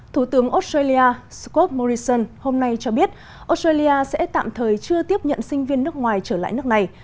thủ tướng australia scott morrison hôm nay cho biết australia sẽ tạm thời chưa tiếp nhận sinh viên nước ngoài trở lại nước này